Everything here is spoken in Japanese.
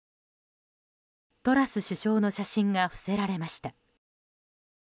トラス首相の写真が伏せられました。